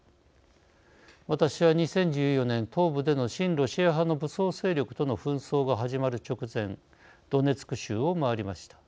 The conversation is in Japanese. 私は２０１４年、東部での親ロシア派の武装勢力との紛争が始まる直前ドネツク州を回りました。